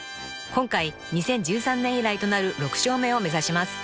［今回２０１３年以来となる６勝目を目指します］